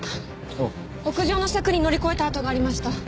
屋上の柵に乗り越えた跡がありました。